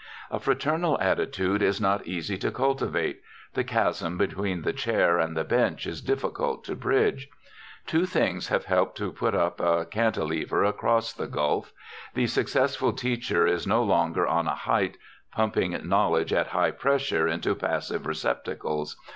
A fraternal attitude is not easy to cultivate the chasm between the chair and the bench is difficult to bridge. Two things have helped to put up a cantilever across the gulf. The successful teacher is no longer on a height, pumping knowledge at high pressure into passive receptacles.